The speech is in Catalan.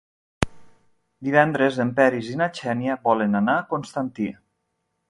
Divendres en Peris i na Xènia volen anar a Constantí.